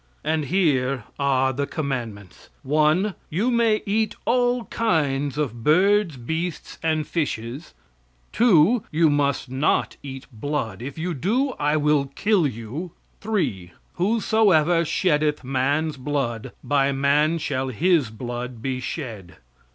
And here are the commandments: 1. You may eat all kinds of birds, beasts and fishes. 2. You must not eat blood; if you do, I will kill you. 3. Whosoever sheddeth man's blood, by man shall his blood be shed.